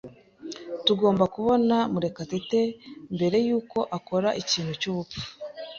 Tugomba kubona Murekatete mbere yuko akora ikintu cyubupfu.